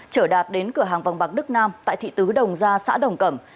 trở đạt đến cửa hàng vàng bạc đức nam tại thị tứ đồng gia xã đồng cẩm